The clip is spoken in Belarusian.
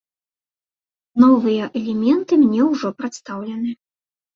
Новыя элементы мне ўжо прадстаўлены.